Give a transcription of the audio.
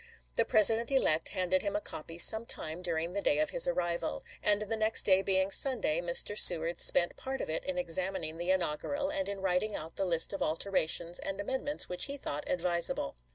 The Presi dent elect handed him a copy some time during the day of his arrival ; and the next day being Sunday, Mr. Seward spent part of it in examining the in augural and in writing out the list of alterations and amendments which he thought advisable.